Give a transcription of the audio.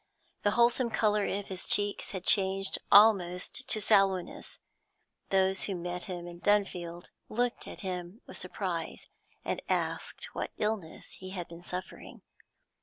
The wholesome colour of his cheeks had changed almost to sallowness those who met him in Dunfield looked at him with surprise and asked what illness he had been suffering.